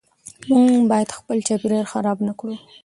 موږ باید خپل چاپیریال خراب نکړو .